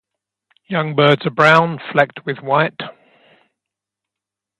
Young birds are brown, flecked with white.